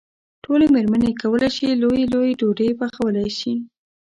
ټولې مېرمنې کولای شي لويې لويې ډوډۍ پخولی شي.